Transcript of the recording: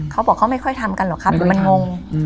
เขาบอกเขาไม่ค่อยทำกันหรอกครับหรือมันงง